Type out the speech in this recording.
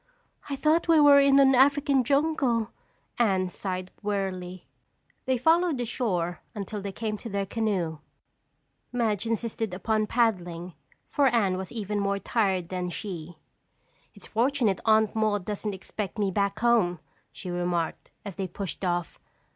"I thought we were in an African jungle," Anne sighed wearily. They followed the shore until they came to their canoe. Madge insisted upon paddling for Anne was even more tired than she. "It's fortunate Aunt Maude doesn't expect me back home," she remarked as they pushed off.